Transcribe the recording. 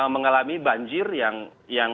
mengalami banjir yang